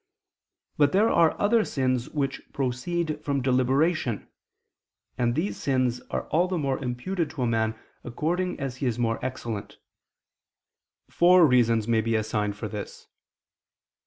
But there are other sins which proceed from deliberation: and these sins are all the more imputed to man according as he is more excellent. Four reasons may be assigned for this.